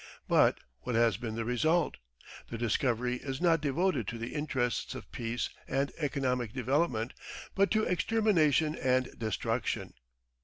But what has been the result? The discovery is not devoted to the interests of peace and economic development, but to extermination and destruction.